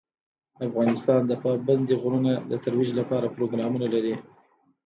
افغانستان د پابندی غرونه د ترویج لپاره پروګرامونه لري.